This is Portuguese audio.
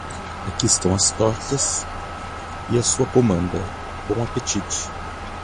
Aqui estão as tortas e a sua comanda, bom apetite.